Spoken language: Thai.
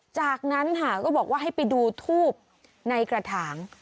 จากนั้นค่ะก็บอกว่าให้ไปดูทูบในกระถาง